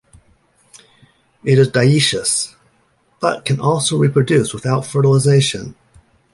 It is dioecious, but can also reproduce without fertilisation.